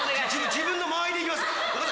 自分の間合いでいきますから。